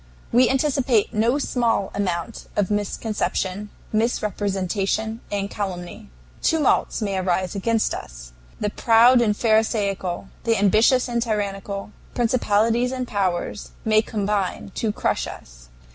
We anticipate no small amount of misconception, misrepresentation, and calumny. Tumults may arise against us. The proud and pharisaical, the ambitious and tyrannical, principalities and powers, may combine to crush us.